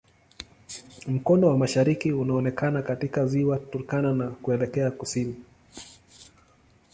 Mkono wa mashariki unaonekana katika Ziwa Turkana na kuelekea kusini.